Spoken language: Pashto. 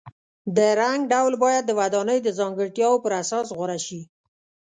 د رنګ ډول باید د ودانۍ د ځانګړتیاو پر اساس غوره شي.